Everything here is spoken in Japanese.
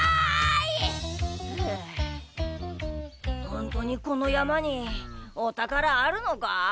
ほんとにこのやまにおたからあるのか？